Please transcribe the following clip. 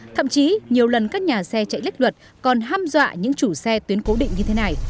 thậm chí nhiều lần các nhà xe chạy lếch luật còn ham dọa những chủ xe tuyến cố định như thế này